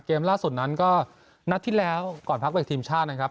ล่าสุดนั้นก็นัดที่แล้วก่อนพักเบรกทีมชาตินะครับ